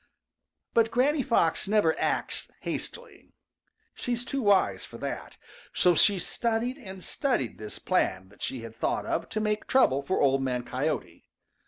But Granny Fox never acts hastily. She is too wise for that. So she studied and studied this plan that she had thought of to make trouble for Old Man Coyote.